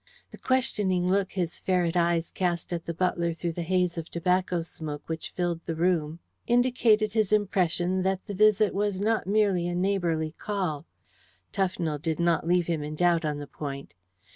The questioning look his ferret eyes cast at the butler through the haze of tobacco smoke which filled the room indicated his impression that the visit was not merely a neighbourly call. Tufnell did not leave him in doubt on the point.